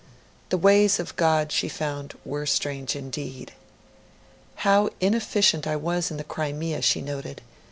The ways of God, she found, were strange indeed. 'How inefficient I was in the Crimea,' she noted.